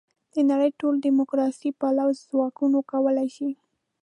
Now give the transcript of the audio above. د نړۍ ټول دیموکراسي پلوه ځواکونه کولای شي.